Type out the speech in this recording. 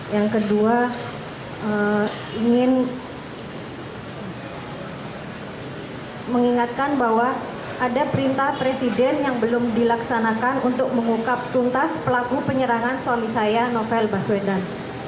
yang kedua ingin mengingatkan bahwa ada perintah presiden yang belum dilaksanakan untuk mengungkap tuntas pelaku penyerangan suami saya novel baswedan